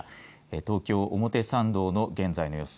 東京、表参道の現在の様子。